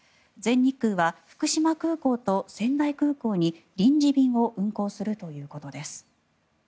全日空は福島空港と仙台空港に臨時便を運航するということです。